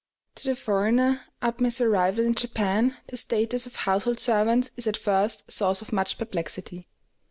To the foreigner, upon his arrival in Japan, the status of household servants is at first a source of much perplexity.